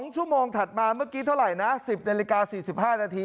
๒ชั่วโมงถัดมา๑๐นาฬิกา๔๕นาที